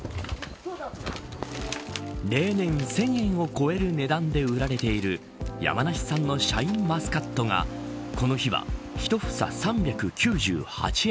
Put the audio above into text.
例年１０００円を超える値段で売られている山梨産のシャインマスカットがこの日は、１房３９８円。